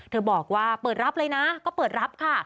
บอกว่าเปิดรับเลยนะก็เปิดรับค่ะ